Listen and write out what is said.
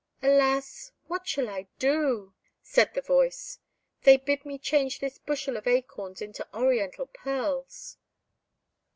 "Alas! what shall I do?" said the voice. "They bid me change this bushel of acorns into oriental pearls!"